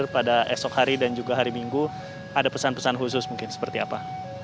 untuk umat yang akan hadir pada esok hari dan juga hari minggu ada pesan pesan khusus mungkin seperti apa